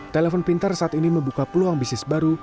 telepon pintar saat ini membuka peluang bisnis baru